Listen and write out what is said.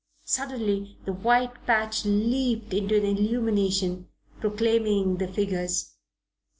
Suddenly the white patch leaped into an illumination proclaiming the figures.